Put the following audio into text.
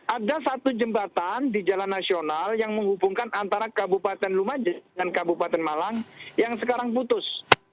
ada satu jembatan di jalan nasional yang menghubungkan antara kabupaten lumajang dan kabupaten malang yang sekarang putus